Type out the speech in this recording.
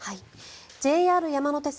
ＪＲ山手線